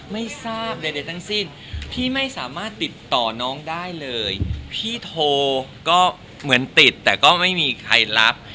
ไม่ทราบใดทั้งสิ้นพี่ไม่สามารถติดต่อน้องได้เลยพี่โทรก็เหมือนติดแต่ก็ไม่มีใครรับ